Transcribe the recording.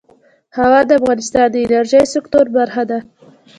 هوا د افغانستان د انرژۍ سکتور برخه ده.